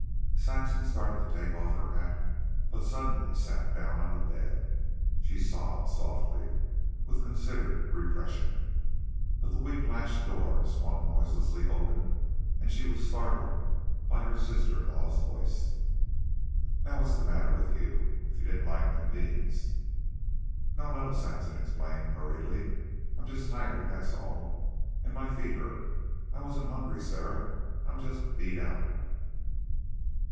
Saxon started to take off her hat, but suddenly sat down on the bed. She sobbed softly, with considered repression, but the weak latched door swung noiselessly open, and she was startled by her sister in law's voice. "NOW what's the matter with you? If you didn't like them beans " "No, no," Saxon explained hurriedly. "I'm just tired, that's all, and my feet hurt. I wasn't hungry, Sarah. I'm just beat out."